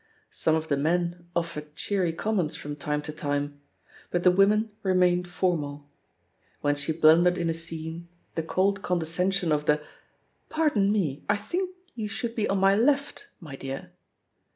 Some of the men ofi^ered cheery comments from time to time, but the women re mained formal. When she blundered in a scene, the cold condescension of the ''Pardon me, I think you should be on my left^ my dear!"